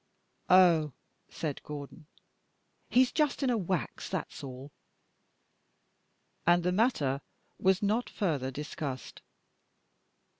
"Oh," said Gordon, "he's just in a wax, that's all." And the matter was not further discussed.